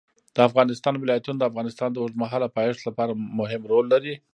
د افغانستان ولايتونه د افغانستان د اوږدمهاله پایښت لپاره مهم رول لري.